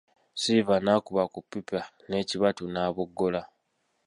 Silver n'akuba ku ppipa n'ekibatu n'aboggola.